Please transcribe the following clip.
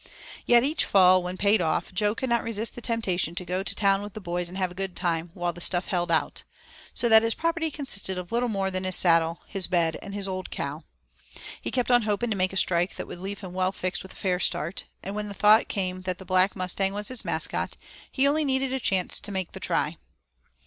Yet each fall, when paid off, Jo could not resist the temptation to go to town with the boys and have a good time 'while the stuff held out.' So that his property consisted of little more than his saddle, his bed, and his old cow. He kept on hoping to make a strike that would leave him well fixed with a fair start, and when the thought came that the Black Mustang was his mascot, he only needed a chance to 'make the try.'